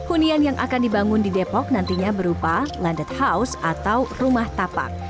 hunian yang akan dibangun di depok nantinya berupa landed house atau rumah tapak